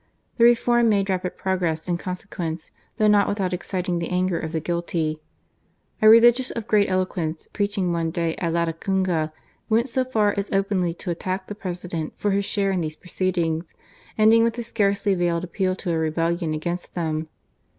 The reform made rapid progress in consequence, though not without exciting the anger of the guilty. A religious of great eloquence, preaching one day '•.':«(??|6 222 . GARCIA MORENO. at Latacunga, went so fer as openly to attack the President for his share in these proceedings, ending with a scarcely veiled appeal to a rebellion against them.